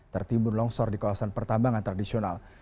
tertimbun longsor di kawasan pertambangan tradisional